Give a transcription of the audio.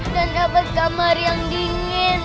dan dapat kamar yang dingin